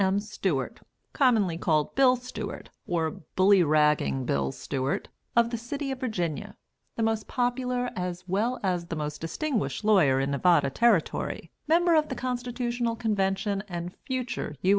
M. Stewart (commonly called "Bill Stewart," or "Bullyragging Bill Stewart"), of the city of Virginia, the most popular as well as the most distinguished lawyer in Nevada Territory, member of the Constitutional Convention, and future U.